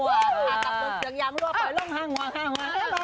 กับลูกเตือกย้ำรวบลงห้างวาง